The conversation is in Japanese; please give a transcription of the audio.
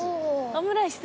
オムライス。